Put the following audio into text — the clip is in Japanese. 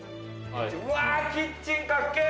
うわ、キッチン、カッケ！